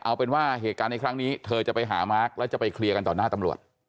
เอาเป็นว่าเหตุการณ์ในครั้งนี้เธอจะไปหามาร์คแล้วจะไปเคลียร์กันต่อหน้าตำรวจ